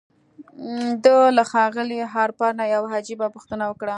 ده له ښاغلي هارپر نه يوه عجيبه پوښتنه وکړه.